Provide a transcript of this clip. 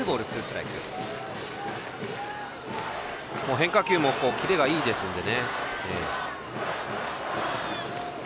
変化球もキレがいいですので。